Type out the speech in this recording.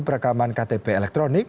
perekaman ktp elektronik